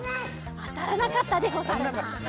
あたらなかったでござるな。